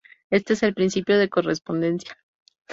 Este es el principio de correspondencia.